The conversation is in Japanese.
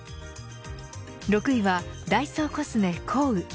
６位はダイソーコスメｃｏｏｕ。